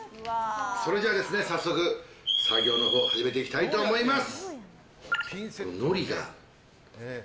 それでは早速、作業のほう始めていきたいと思います。